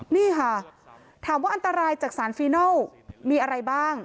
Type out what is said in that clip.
นี่ค่ะถามว่าอันตรายจากสารฟีนัลมีอะไรบ้าง